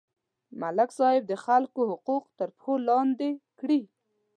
ملک صاحب د خلکو حقوق تر پښو لاندې کړي.